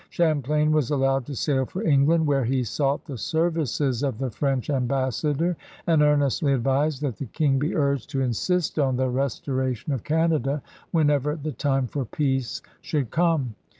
Champlain was allowed to sail for Eng land, where he sought the services of the French ambassador and earnestly advised that the King be urged to insist on the restoration of Canada whenever the time for peace should come.